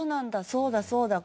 そうだそうだ。